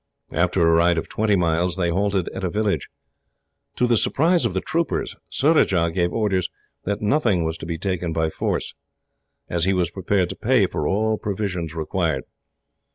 After a ride of twenty miles, they halted at a village. To the surprise of the troopers, Surajah gave orders that nothing was to be taken by force, as he was prepared to pay for all provisions required.